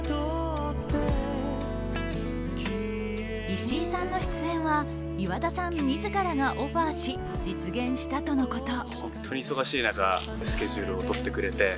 石井さんの出演は岩田さん自らがオファーし実現したとのこと。